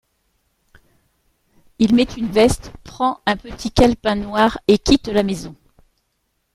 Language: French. Il met une veste, prend un petit calepin noir et quitte la maison.